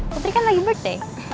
putri kan lagi birthday